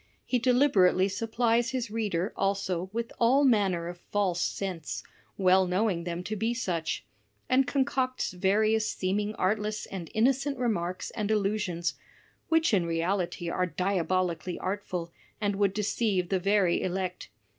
He deliberately supplies his reader, also, with all manner of false scents, well knowing them to be such; and concocts various seeming artless and innocent remarks and allusions, which in reality are diaboli cally artful, and would deceive the very elect.